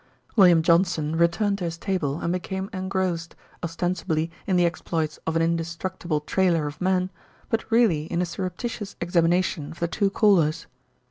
William Johnson returned to his table and became engrossed, ostensibly in the exploits of an indestructible trailer of men; but really in a surreptitious examination of the two callers.